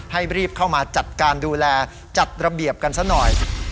ให้รีบเข้ามาจัดการดูแลจัดระเบียบกันซะหน่อย